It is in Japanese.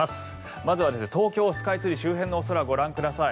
まずは東京スカイツリー周辺のお空、ご覧ください。